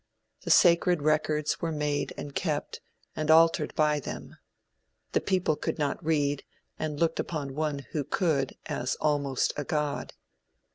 The sacred records were made and kept, and altered by them. The people could not read, and looked upon one who could, as almost a god.